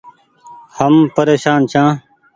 هم پريشان ڇآن ۔